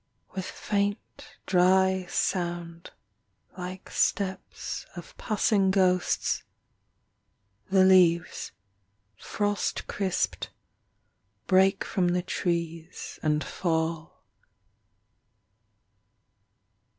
. With faint dry sound, Like steps of passing ghosts, The leaves, frost crisp d, break from the trees And fell.